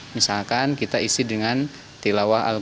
misalkan kita isi dengan tilawah al qur